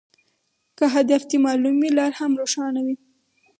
که هدف معلوم وي، لار هم روښانه وي.